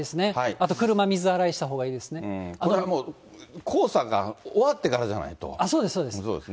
あと車、水洗いしたほうがいいでこれはもう黄砂が終わってかそうです、そうです。